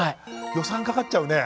予算かかっちゃうね。